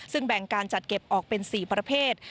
ซึ่งแบ่งการจัดเก็บออกเป็น๔ประเภท